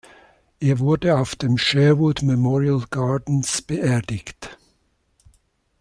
Er wurde auf dem "Sherwood Memorial Gardens" beerdigt.